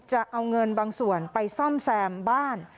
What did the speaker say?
จะเอาเงินบางส่วนไปซ่อมแซมบ้าน